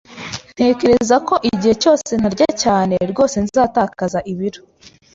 Ntekereza ko igihe cyose ntarya cyane, rwose nzatakaza ibiro.